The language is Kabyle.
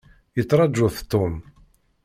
Yettṛaju-t Tom.